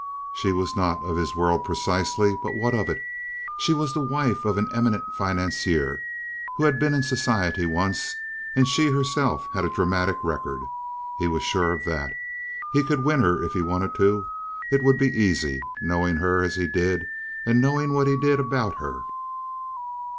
She was not of his world precisely, but what of it? She was the wife of an eminent financier, who had been in society once, and she herself had a dramatic record. He was sure of that. He could win her if he wanted to. It would be easy, knowing her as he did, and knowing what he did about her.